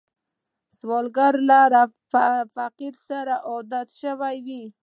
سوالګر له فقر سره عادت شوی وي